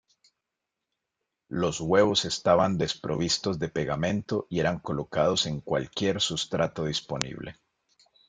Los huevos estaban desprovistos de pegamento y eran colocados en cualquier sustrato disponible.